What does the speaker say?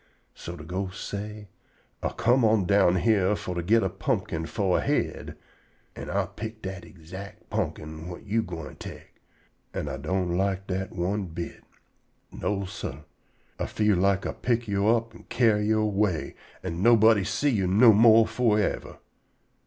So de ghost say: "Ah come on down yere fo' to git a pumpkin fo' a head, an' Ah pick dat ixact pumpkin whut yo' gwine tek, an' Ah don't like dat one bit. No, sah. Ah feel like Ah pick yo' up an' carry yo' away, an' nobody see you no more for yever.